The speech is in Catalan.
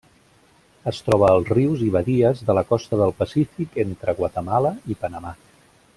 Es troba als rius i badies de la costa del Pacífic entre Guatemala i Panamà.